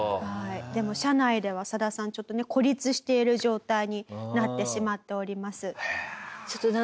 でも社内ではサダさんちょっとね孤立している状態になってしまっております。